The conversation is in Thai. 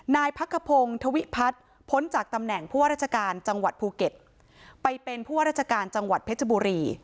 นายพักขพงศ์ธวิพัฒน์พ้นจากตำแหน่งผู้ว่าราชการจังหวัดภูเก็ตไปเป็นผู้ว่าราชการจังหวัดเพชรบุรี